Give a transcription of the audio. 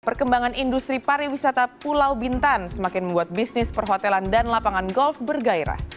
perkembangan industri pariwisata pulau bintan semakin membuat bisnis perhotelan dan lapangan golf bergairah